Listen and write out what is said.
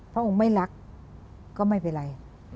พระองค์ไม่รักก็ไม่เป็นไร